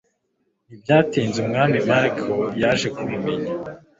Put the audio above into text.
Ntibyatinze umwami Mark yaje kubimenya